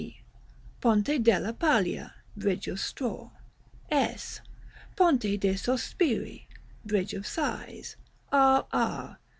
Ponte della Paglia (Bridge of Straw). S. Ponte de' Sospiri (Bridge of Sighs). R R.